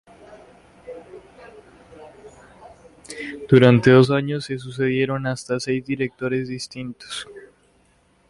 Durante dos años se sucedieron hasta seis directores distintos.